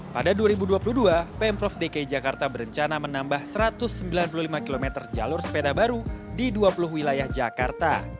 pada dua ribu dua puluh dua pemprov dki jakarta berencana menambah satu ratus sembilan puluh lima km jalur sepeda baru di dua puluh wilayah jakarta